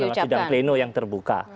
adalah sidang pleno yang terbuka